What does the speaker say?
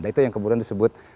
nah itu yang kemudian disebut